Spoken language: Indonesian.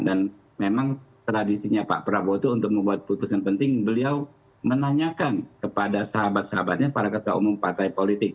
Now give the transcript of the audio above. dan memang tradisinya pak prabowo itu untuk membuat putusan penting beliau menanyakan kepada sahabat sahabatnya para ketua umum partai politik